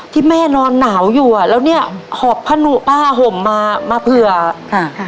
ที่แม่นอนหนาวอยู่อ่ะแล้วเนี้ยหอบผ้านุป้าห่มมามาเผื่ออ่าค่ะ